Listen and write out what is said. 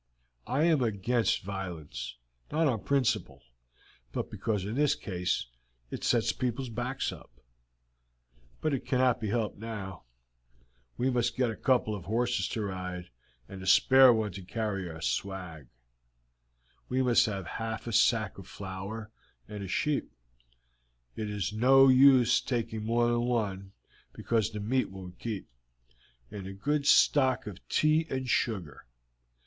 I am against violence, not on principle, but because in this case it sets people's backs up; but it cannot be helped now. We must get a couple of horses to ride, and a spare one to carry our swag. We must have half a sack of flour and a sheep it is no use taking more than one, because the meat won't keep and a good stock of tea and sugar.